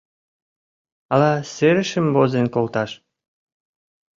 Ала серышым возен колташ?..